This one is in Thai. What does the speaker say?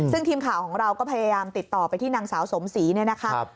ซึ่งทีมข่าวของเราก็พยายามติดต่อไปที่นางสาวสมศรีเนี่ยนะคะ